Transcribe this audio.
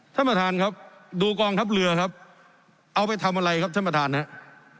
ท่านประธานครับดูกองทัพเรือครับเอาไปทำอะไรครับท่านประธานครับ